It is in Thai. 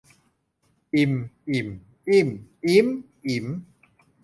อิม อิ่ม อิ้ม อิ๊ม อิ๋ม